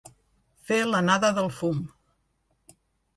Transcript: Fer l'anada del fum.